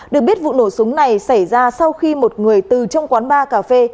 được biết vụ nổ súng này xảy ra sau khi một người từ trong quán bar cà phê